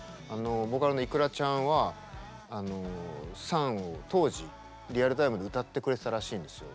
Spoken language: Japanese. ボーカルのｉｋｕｒａちゃんは「ＳＵＮ」を当時リアルタイムで歌ってくれてたらしいんですよ。